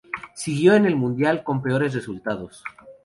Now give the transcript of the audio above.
Siguió en el mundial con peores resultados.